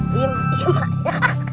diam diam aja